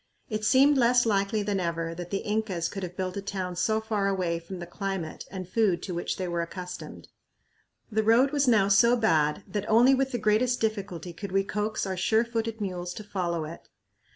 It seemed less likely than ever that the Incas could have built a town so far away from the climate and food to which they were accustomed. The "road" was now so bad that only with the greatest difficulty could we coax our sure footed mules to follow it.